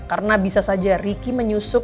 karena bisa saja ricky menyusuk